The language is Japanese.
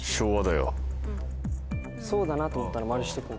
そうだなと思ったら「○」しとこう。